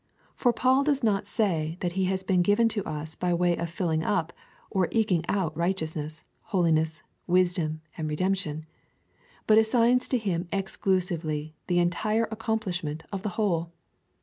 For Paul does not say that he has been given to us by way of filling up, or eking out righteousness, holiness, wisdom, and redemption, but assigns to him ex clusively the entire accomplishment of the whole.